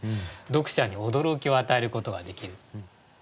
読者に驚きを与えることができる。